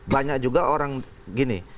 banyak juga orang gini